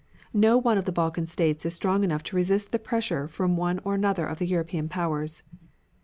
No one of the Balkan States is strong enough to resist the pressure from one or another of the European powers.